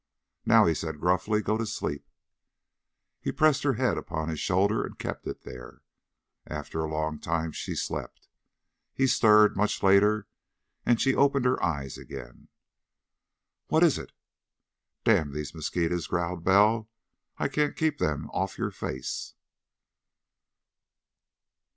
"Now," he said gruffly, "go to sleep." He pressed her head upon his shoulder and kept it there. After a long time she slept. He stirred, much later, and she opened her eyes again. "What is it?" "Damn these mosquitos," growled Bell. "I can't keep them off your face!"